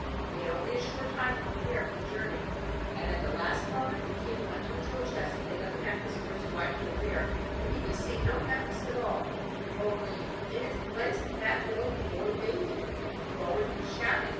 They had only a short time to prepare for the journey, and at the last moment the king went to the jewel chest to take out the necklace for his wife to wear, but he could see no necklace at all, only, in its place, a fat little boy baby crowing and shouting.